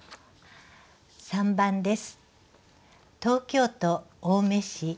３番です。